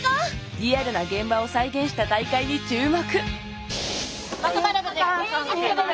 リアルな現場を再現した大会に注目！